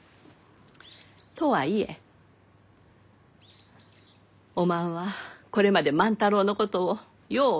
とはいえおまんはこれまで万太郎のことをよう